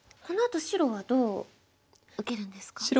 このあと白はどう受けるんですか？